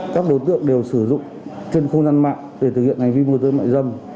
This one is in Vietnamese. các đối tượng đều sử dụng trên không gian mạng để thực hiện hành vi môi giới mại dâm